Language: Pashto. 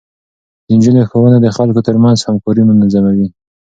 د نجونو ښوونه د خلکو ترمنځ همکاري منظموي.